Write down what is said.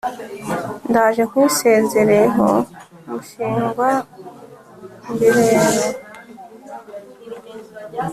Ndaje nkwisezereho mushingwa ngerero